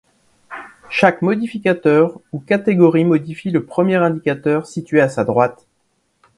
Chaque modificateur ou catégorie modifie le premier indicateur situé à sa droite.